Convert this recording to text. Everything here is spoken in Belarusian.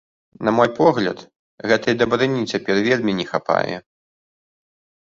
На мой погляд, гэтай дабрыні цяпер вельмі не хапае.